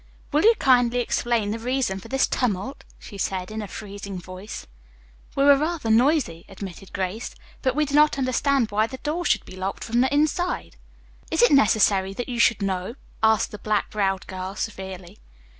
"Will you kindly explain the reason for this tumult?" she asked in a freezing voice. "We were rather noisy," admitted Grace, "but we did not understand why the door should be locked from the inside." "Is it necessary that you should know?" asked the black browed girl severely.